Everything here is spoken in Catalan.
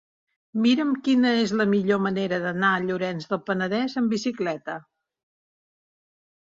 Mira'm quina és la millor manera d'anar a Llorenç del Penedès amb bicicleta.